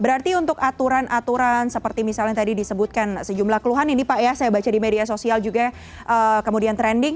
berarti untuk aturan aturan seperti misalnya tadi disebutkan sejumlah keluhan ini pak ya saya baca di media sosial juga kemudian trending